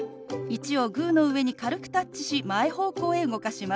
「１」をグーの上に軽くタッチし前方向へ動かします。